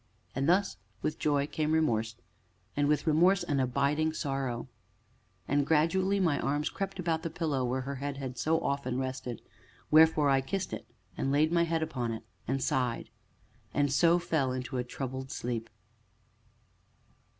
And thus, with joy came remorse, and with remorse an abiding sorrow. And gradually my arms crept about the pillow where her head had so often rested, wherefore I kissed it, and laid my head upon it and sighed, and so fell into a troubled sleep.